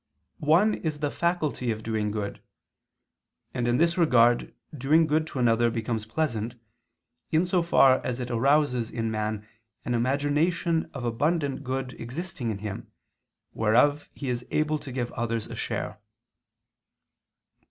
One is the faculty of doing good: and in this regard, doing good to another becomes pleasant, in so far as it arouses in man an imagination of abundant good existing in him, whereof he is able to give others a share.